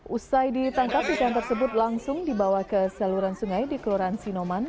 usai ditangkap ikan tersebut langsung dibawa ke saluran sungai di kelurahan sinoman